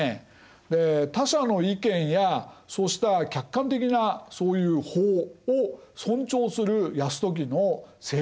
で他者の意見やそうした客観的なそういう法を尊重する泰時の政治姿勢。